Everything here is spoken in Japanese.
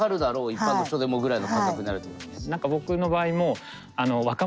一般の人でもぐらいの感覚になるってことですね。